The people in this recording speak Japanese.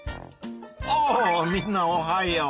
あみんなおはよう！